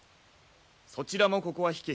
そちらもここは引け。